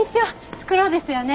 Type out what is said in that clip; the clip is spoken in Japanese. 袋ですよね？